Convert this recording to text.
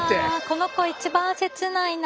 この子一番切ないな。